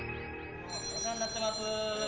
☎お世話になってます。